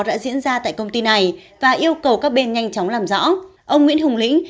đã diễn ra tại công ty này và yêu cầu các bên nhanh chóng làm rõ ông nguyễn hùng lĩnh